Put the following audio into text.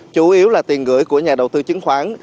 chủ yếu là tiền gửi của nhà đầu tư chứng khoán